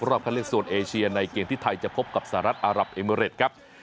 เข้าเลือกโซนเอเชียในเกมที่ไทยจะพบกับสหรัฐอารับเอเมริตครับ